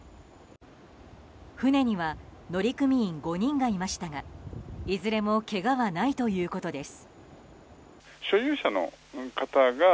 船には乗組員５人がいましたがいずれもけがはないということです。